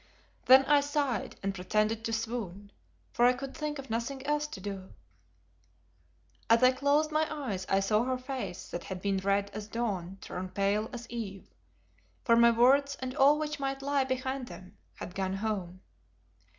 Then I sighed and pretended to swoon, for I could think of nothing else to do. As I closed my eyes I saw her face that had been red as dawn turn pale as eve, for my words and all which might lie behind them, had gone home.